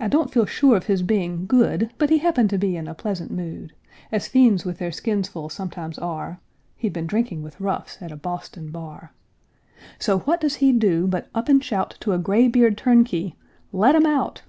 I don't feel sure of his being good, But he happened to be in a pleasant mood, As fiends with their skins full sometimes are, (He'd been drinking with "roughs" at a Boston bar.) So what does he do but up and shout To a graybeard turnkey, "Let 'em out!"